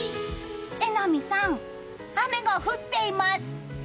榎並さん、雨が降っています。